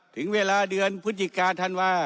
ถึงเวลาเดือนพฤศจิกาธันวา